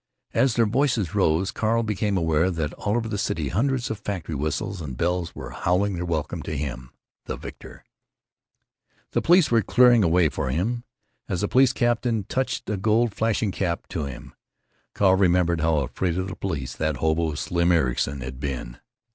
"—As their voices rose Carl became aware that all over the city hundreds of factory whistles and bells were howling their welcome to him—the victor. The police were clearing a way for him. As a police captain touched a gold flashing cap to him, Carl remembered how afraid of the police that hobo Slim Ericson had been.